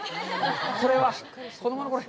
これは、子供のころ。